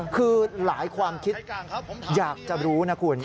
คือหลายความคิดอยากจะรู้นะคุณ